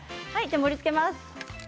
盛りつけます。